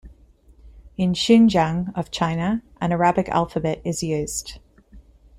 In Xinjiang of China, an Arabic alphabet is used.